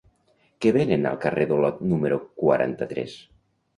Què venen al carrer d'Olot número quaranta-tres?